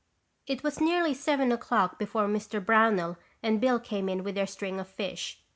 It was nearly seven o'clock before Mr. Brownell and Bill came in with their string of fish.